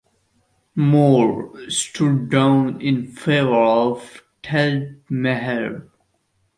Moore stood down in favour of Ted Maher.